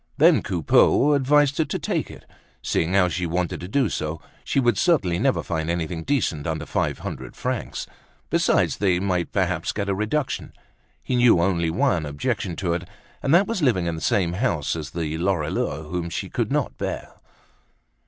Then Coupeau advised her to take it, seeing how she wanted to do so; she would certainly never find anything decent under five hundred francs; besides they might perhaps get a reduction. He knew only one objection to it and that was living in the same house as the Lorilleux, whom she could not bear.